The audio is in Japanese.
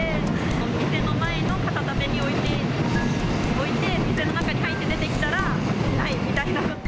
お店の前の傘立てに置いて、店の中に入って出てきたら、ないみたいな。